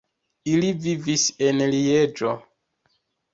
Ili vivis en Lieĝo.